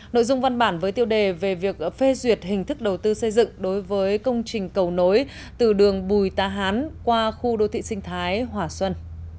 nội dung văn bản với tiêu đề về việc phê duyệt hình thức đầu tư xây dựng đối với công trình cầu nối từ đường bùi ta hán qua khu đô thị sinh thái hòa xuân